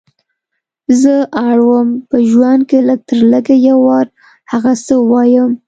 زه اړه وم په ژوند کې لږ تر لږه یو وار هغه څه ووایم.